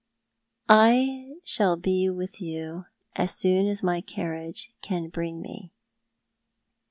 " I shall be with you as soon as my carriage can bring me."